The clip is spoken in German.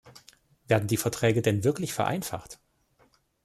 Werden die Verträge denn wirklich vereinfacht?